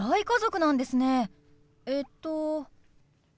えっと？